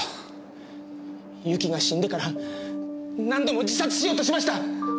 由紀が死んでから何度も自殺しようとしました！